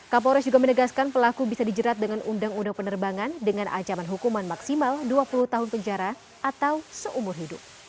kapolres juga menegaskan pelaku bisa dijerat dengan undang undang penerbangan dengan acaman hukuman maksimal dua puluh tahun penjajah